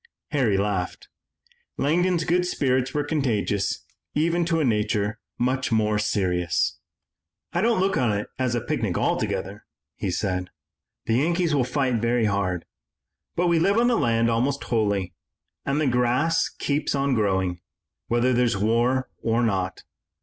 Harry laughed. Langdon's good spirits were contagious even to a nature much more serious. "I don't look on it as a picnic altogether," he said. "The Yankees will fight very hard, but we live on the land almost wholly, and the grass keeps on growing, whether there's war or not.